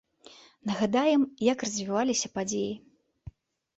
Нагадаем, як развіваліся падзеі.